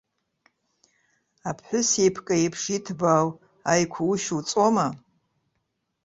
Аԥҳәыс еиԥка еиԥш иҭбаау аиқәа ушьоуҵома?